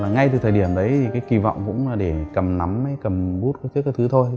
ngay từ thời điểm đấy kỳ vọng cũng là để cầm nắm cầm bút các thứ thôi